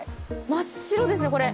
真っ白ですねこれ。